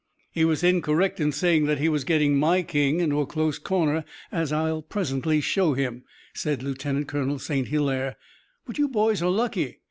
"He was incorrect in saying that he was getting my king into a close corner, as I'll presently show him," said Lieutenant Colonel St. Hilaire; "but you boys are lucky.